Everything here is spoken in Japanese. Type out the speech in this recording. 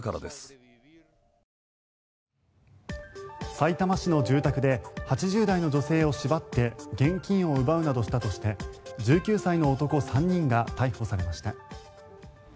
さいたま市の住宅で８０代の女性を縛って現金を奪うなどしたとして１９歳の男３人が逮捕されました。